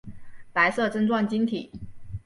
白色针状晶体。